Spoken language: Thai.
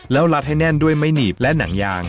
แล้วรัดให้แน่นด้วยไม้หนีบและหนังยาง